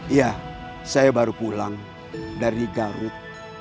iya saya baru pulang dari garut